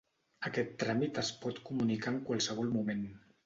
Aquest tràmit es pot comunicar en qualsevol moment.